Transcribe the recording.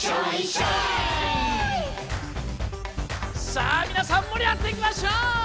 さあみなさんもりあがっていきましょ！